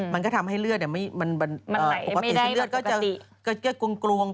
มันก็ทำให้เลือดเนี่ยปกติที่เลือดก็จะกรุง